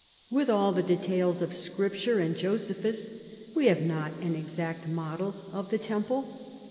With all the details of Scripture and Josephus, we have not an exact model of the temple.